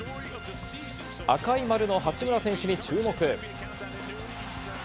赤い丸の八村選手に注目。